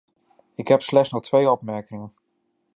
Ik heb slechts nog twee opmerkingen.